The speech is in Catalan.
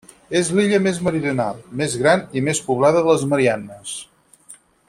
És l'illa més meridional, més gran i més poblada de les Mariannes.